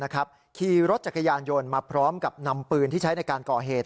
ขี่รถจักรยานยนต์มาพร้อมกับนำปืนที่ใช้ในการก่อเหตุ